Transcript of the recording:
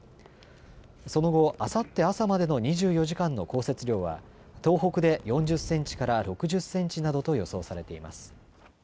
その後、あさって朝までの２４時間の降雪量は東北で４０センチから６０センチなどと予想されています。